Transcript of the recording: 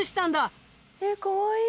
えっかわいい。